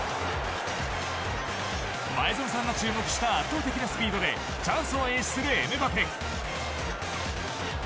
前園さんの注目した圧倒的なスピードでチャンスを演出するエムバペ。